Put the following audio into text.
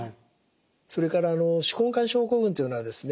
それから手根管症候群というのはですね